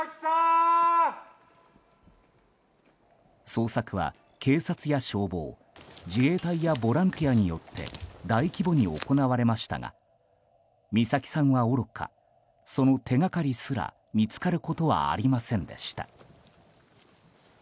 捜索は警察や消防、自衛隊やボランティアによって大規模に行われましたが美咲さんはおろかその手がかりすら見つかることはありませんでした。